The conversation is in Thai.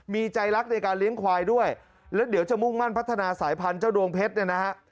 มีใจรักในการเลี้ยงควายด้วยแล้วเดี๋ยวจะมุ่งมั่นพัฒนาสายพันธุ์เจ้าดวงเพชรเนี่ยนะฮะ